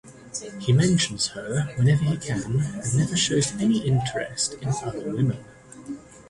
He mentions her whenever he can and never shows any interest in other women.